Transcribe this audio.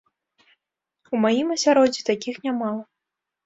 У маім асяроддзі такіх нямала.